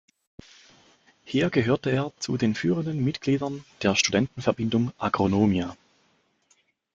Hier gehörte er zu den führenden Mitgliedern der Studentenverbindung Agronomia.